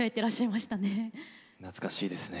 懐かしいですね。